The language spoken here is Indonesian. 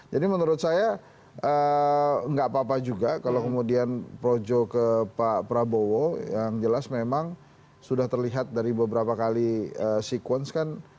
jadi menurut saya gak apa apa juga kalau kemudian projo ke pak prabowo yang jelas memang sudah terlihat dari beberapa kali sekuens kan